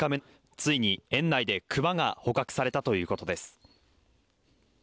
ついに園内でクマが捕獲されたということです。